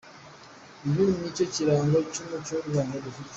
Uyu nicyo kirango cy’umuco w’u Rwanda dufite.